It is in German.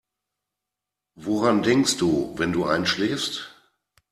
Woran denkst du, wenn du einschläfst?